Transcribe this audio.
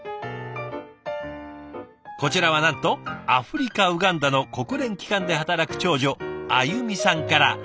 こちらはなんとアフリカ・ウガンダの国連機関で働く長女あゆみさんから。